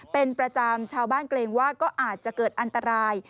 เป็นประจำชาวบ้านเกรงว่าก็อาจจะเกิดอันตราย